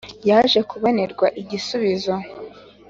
Yaje kubonerwa igisubizo.